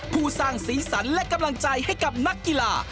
ผู้สร้างสีสันและกำลังใจให้กับนักกีฬา